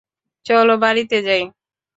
চল বাড়িতে যাই।